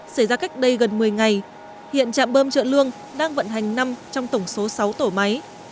xảy ra cách đây gần một mươi ngày hiện trạm bơm chợ lương đang vận hành năm trong tổng số sáu tổ máy